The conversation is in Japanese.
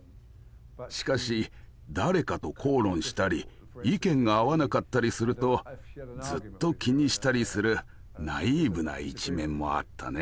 しかし誰かと口論したり意見が合わなかったりするとずっと気にしたりするナイーブな一面もあったね。